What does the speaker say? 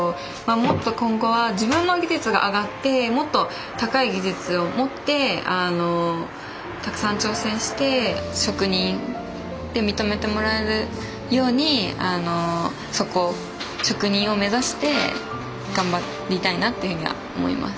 もっと今後は自分の技術が上がってもっと高い技術を持ってたくさん挑戦して職人って認めてもらえるようにそこを職人を目指して頑張りたいなっていうふうには思います。